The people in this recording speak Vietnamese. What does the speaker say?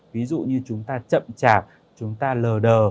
ví dụ như chúng ta chậm chạp chúng ta lờ đờ